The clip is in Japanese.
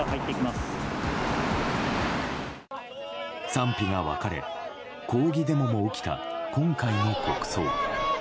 賛否が分かれ抗議デモも起きた今回の国葬。